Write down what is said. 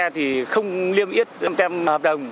thì không liêm yết tem hợp đồng